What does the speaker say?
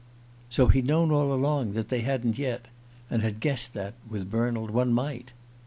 So he'd known all along that they hadn't yet and had guessed that, with Bernald, one might!